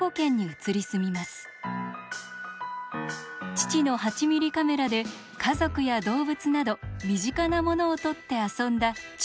父の８ミリカメラで家族や動物など身近なものを撮って遊んだ中学時代。